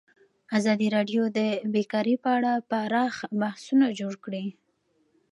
ازادي راډیو د بیکاري په اړه پراخ بحثونه جوړ کړي.